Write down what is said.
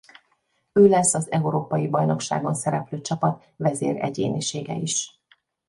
Ő lesz az Európai Bajnokságon szereplő csapat vezéregyénisége is.